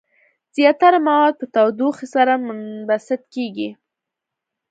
زیاتره مواد په تودوخې سره منبسط کیږي.